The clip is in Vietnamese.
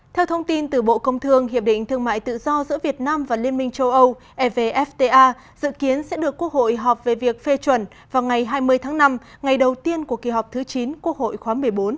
theo thông tin từ bộ công thương hiệp định thương mại tự do giữa việt nam và liên minh châu âu evfta dự kiến sẽ được quốc hội họp về việc phê chuẩn vào ngày hai mươi tháng năm ngày đầu tiên của kỳ họp thứ chín quốc hội khóa một mươi bốn